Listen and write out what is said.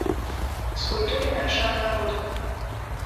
З культуры нашага народу.